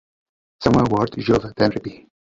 Samuel Ward žil v Derby.